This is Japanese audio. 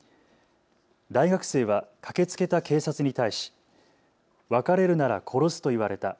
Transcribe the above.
大学生は駆けつけた警察に対し別れるなら殺すと言われた。